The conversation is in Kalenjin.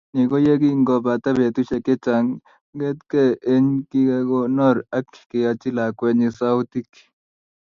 Ni koyekingopata betusiek chechang kongetkei ye kingekonor ak keyachi lakwenyi sautik